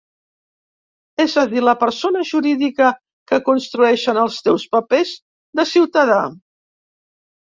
És a dir, la persona jurídica que construeixen els teus papers de ciutadà.